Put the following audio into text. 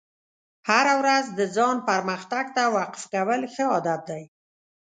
هره ورځ د ځان پرمختګ ته وقف کول ښه عادت دی.